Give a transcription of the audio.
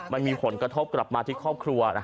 มันมีผลกระทบกลับมาที่ครอบครัว